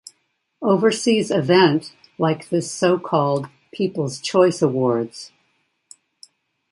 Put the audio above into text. Overseas event like this so-called "People's Choice Awards".